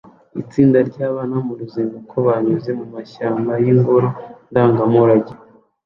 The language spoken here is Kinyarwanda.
Itsinda ryabana mu ruzinduko banyuze mu mashyamba y’ingoro ndangamurage